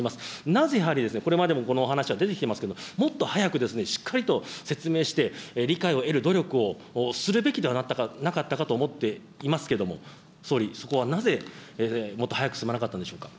なぜやはり、これまでもこのお話は出てきてますけども、もっと早く、しっかりと説明して、理解を得る努力をするべきではなかったかと思っていますけども、総理、そこはなぜ、もっと早く進まなかったんでしょうか。